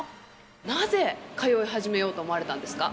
なぜ通い始めようと思われたんですか？